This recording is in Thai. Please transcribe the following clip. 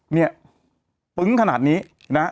เนี่ยปึ้งขนาดนี้นะ